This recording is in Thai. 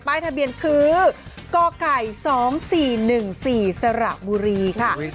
ป้ายทะเบียนคือก๒๔๑๔สระบุรีค่ะ